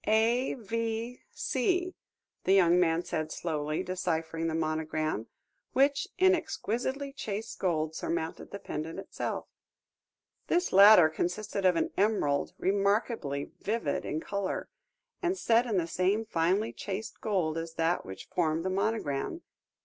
"A.V.C.," the young man said slowly, deciphering the monogram, which, in exquisitely chased gold, surmounted the pendant itself. This latter consisted of an emerald, remarkably vivid in colour, and set in the same finely chased gold as that which formed the monogram.